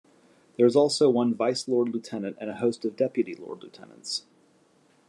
There is also one Vice Lord Lieutenant and a host of Deputy Lord Lieutenants.